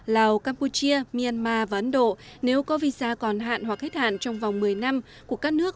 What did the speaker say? lào campuchia myanmar và ấn độ nếu có visa còn hạn hoặc hết hạn trong vòng một mươi năm của các nước